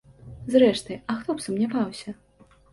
Зрэшты, а хто б сумняваўся?